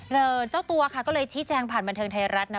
เจ้าตัวค่ะก็เลยชี้แจงผ่านบันเทิงไทยรัฐนะ